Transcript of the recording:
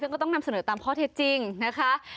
ก็ต้องนำเสนอตามข้อเท็จจริงนะคะ